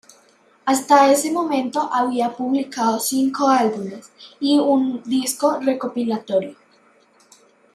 Hasta ese momento había publicado cinco álbumes y un disco recopilatorio.